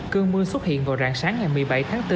cơn mưa xuất hiện vào rạng sáng ngày một mươi bảy tháng bốn